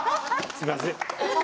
すいません。